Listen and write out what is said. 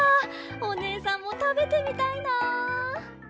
おねえさんもたべてみたいな。